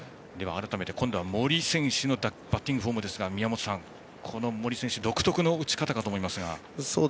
改めて森選手のバッティングフォームですが森選手独特の打ち方かと思いますが。